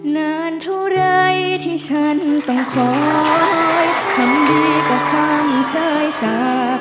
นานเท่าไหร่ที่ฉันต้องขอคำดีกว่าคำเชยสา